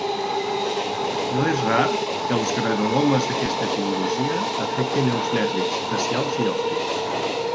No és rar que els granulomes d'aquesta etiologia afectin els nervis facials i òptics.